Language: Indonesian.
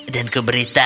dan kau beritahu